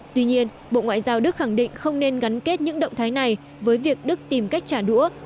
tuy nhiên bộ ngoại giao đức khẳng định không nên gắn kết những động thái này với việc đức tìm cách trả đũa